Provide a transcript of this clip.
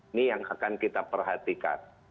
ini yang akan kita perhatikan